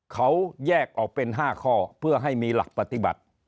เขาแยกออกเป็น๕ข้อเพื่อให้มีหลักปฏิบัติ